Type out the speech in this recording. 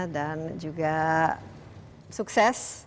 dan juga sukses